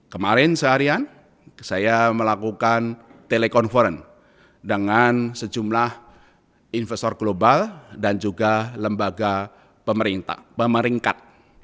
kemarin seharian saya melakukan telekonferensi dengan sejumlah investor global dan juga lembaga pemerintah pemeringkat